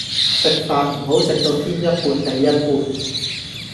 食飯唔好食到天一半地一半